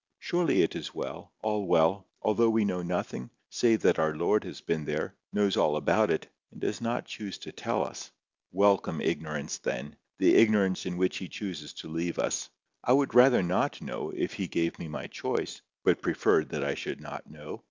Surely it is well, all well, although we know nothing, save that our Lord has been there, knows all about it, and does not choose to tell us. Welcome ignorarance then! the ignorance in which he chooses to leave us. I would rather not know, if He gave me my choice, but preferred that I should not know."